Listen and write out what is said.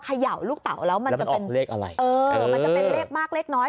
เขย่าลูกเต่าแล้วมันจะเป็นเลขอะไรเออมันจะเป็นเลขมากเลขน้อย